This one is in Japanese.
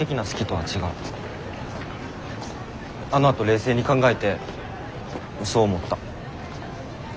あのあと冷静に考えてそう思った。